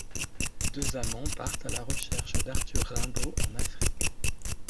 Deux amants partent à la recherche d'Arthur Rimbaud en Afrique.